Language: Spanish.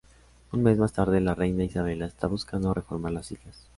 Un mes más tarde, la Reina Isabella está buscando reformar las islas.